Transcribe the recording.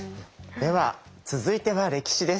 では続いては歴史です。